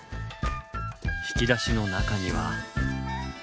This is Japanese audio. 引き出しの中には。